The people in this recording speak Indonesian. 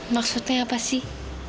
maksudnya apa sih